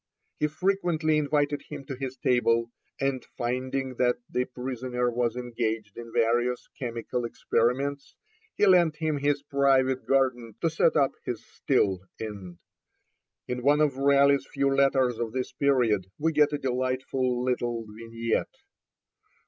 He frequently invited him to his table; and finding that the prisoner was engaged in various chemical experiments, he lent him his private garden to set up his still in. In one of Raleigh's few letters of this period, we get a delightful little vignette.